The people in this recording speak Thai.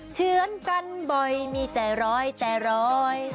เชื่อนกันบ่อยมีแต่ร้อยแต่ร้อย